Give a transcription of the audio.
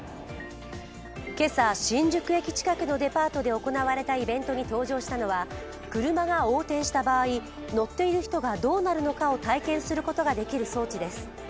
今朝、新宿駅近くのデパートで行われたイベントに登場したのは車が横転した場合、乗っている人がどうなるのかを体験することができる装置です。